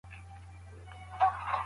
دا کار پوهه زیاتوي.